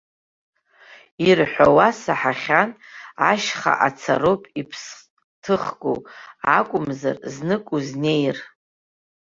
Ирҳәауа саҳахьан, ашьха ацароуп иԥсҭыхгоу акәымзар, знык узнеир.